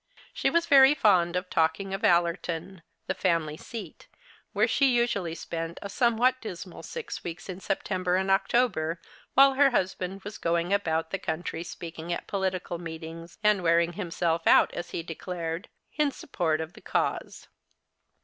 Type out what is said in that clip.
She was very fond of talking of AUerton, the family seat, where she usually spent a somewhat dismal six weeks in September and October while her husband was going about the country speaking at political meetings, and wearing himself out, as he declared, in support of the cause.